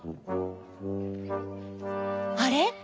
あれ？